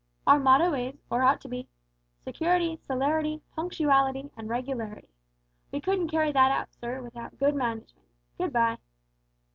Our motto is or ought to be `Security, Celerity, Punctuality, and Regularity.' We couldn't carry that out, sir, without good management. Good bye."